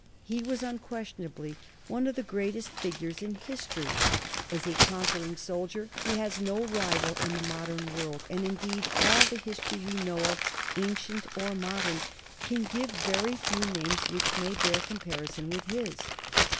He was unquestionably one of the greatest figures in history. As a conquering soldier he has no rival in the modern world, and indeed all the history we know of, ancient or modern, can give but very few names which may bear comparison with his.